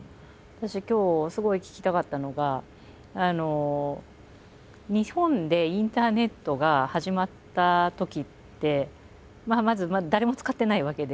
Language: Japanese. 今日すごい聞きたかったのが日本でインターネットが始まったときってまず誰も使ってないわけで。